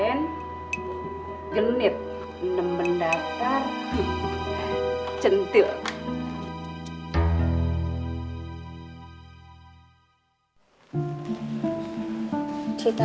salah apa lu kalau keluar rumah jangan pakai kecantilan segala gitu ya